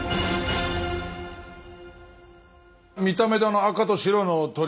見た目であの赤と白の鳥